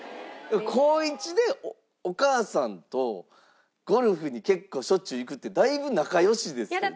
高１でお母さんとゴルフに結構しょっちゅう行くってだいぶ仲良しですよね。